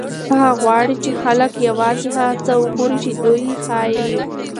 هغوی غواړي چې خلک یوازې هغه څه وګوري چې دوی یې ښيي.